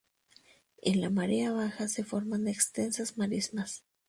En la marea baja se forman extensas marismas.